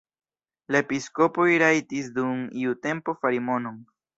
La episkopoj rajtis dum iu tempo fari monon.